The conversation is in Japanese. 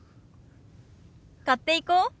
買っていこう。